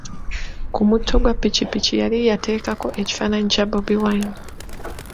Ku mutto gwa ppiki yali yateekako ekifaanayi kya Bobi Wine.